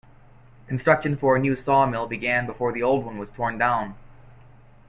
Construction for a new sawmill began before the old one was torn down.